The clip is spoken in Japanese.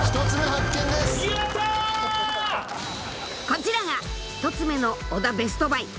［こちらが１つ目の尾田ベストバイ］